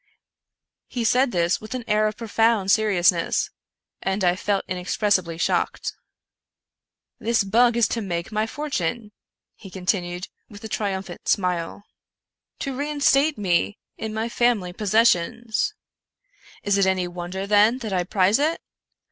He said this with an air of profound seriousness, and I felt inexpressibly shocked. " This bug is to make my fortune," he continued, with a triumphant smile ;" to reinstate me in my family posses sions. Is it any wonder, then, that I prize it?